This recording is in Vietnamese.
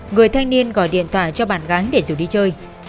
người thanh niên gọi điện thoại cho bạn gái để rủ đi chơi